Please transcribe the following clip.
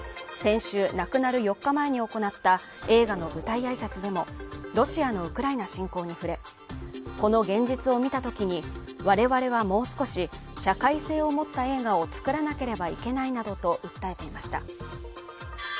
先週亡くなる４日前に行った映画の舞台挨拶でもロシアのウクライナ侵攻に触れこの現実を見たときに我々はもう少し社会性を持った映画を作らなければいけないなどと訴えていました